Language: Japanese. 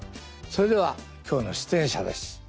それでは今日の出演者です。